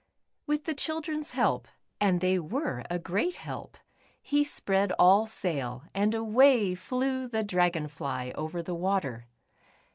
With the children's help, and they were a great help, he spread all sail, and away flew the Dragon fly over the water.